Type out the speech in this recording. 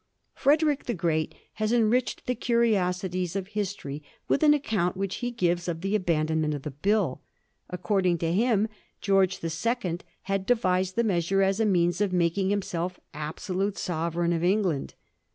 Frederick the Great has enriched the curiosities of history with an account which he gives of the aban donment of the Bill. According to him, Greorge the Second had devised the measure as a means of making himself absolute sovereign of England.